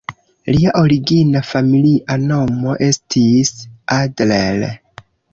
Lia origina familia nomo estis "Adler".